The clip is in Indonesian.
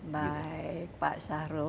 baik pak syahrul